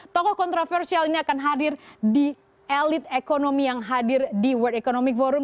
tokoh kontroversial ini akan hadir di elit ekonomi yang hadir di world economic forum